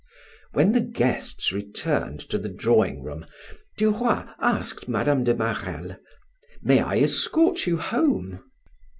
When the guests returned to the drawing room, Duroy asked Mme. de Marelle: "May I escort you home?"